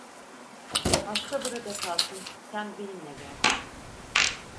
Hasta burada kalsın, sen benimle gel!